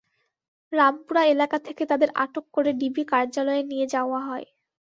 রামপুরা এলাকা থেকে তাঁদের আটক করে ডিবি কার্যালয়ে নিয়ে যাওয়া হয়।